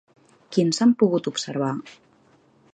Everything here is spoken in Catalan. Quins s'han pogut observar?